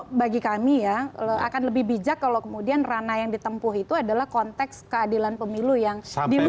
jadi kalau bagi kami ya akan lebih bijak kalau kemudian ranah yang ditempuh itu adalah konteks keadilan pemilu yang di luar pemidanaan